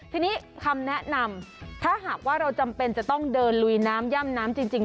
ทีนี้คำแนะนำถ้าหากว่าเราจำเป็นจะต้องเดินลุยน้ำย่ำน้ำจริง